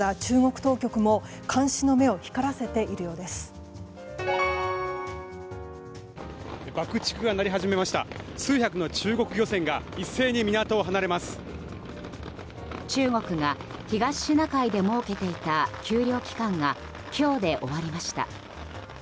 中国が東シナ海で設けていた休漁期間が今日で終わりました。